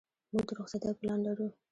موږ د رخصتۍ پلان لرو.